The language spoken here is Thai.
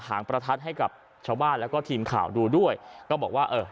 หางประทัดให้กับชาวบ้านแล้วก็ทีมข่าวดูด้วยก็บอกว่าเออ